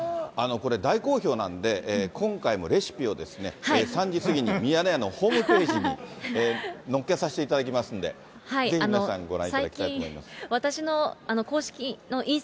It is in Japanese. これ、大好評なんで、今回のレシピを３時過ぎにミヤネ屋のホームページにのっけさせていただきますんで、ぜひ皆さんご覧いただきたいと思います。